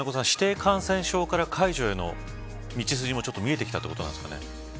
指定感染症から解除への道筋も見えてきたということですか。